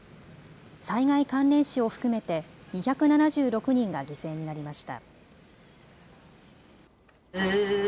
災害関連死を含めて２７６人が犠牲になりました。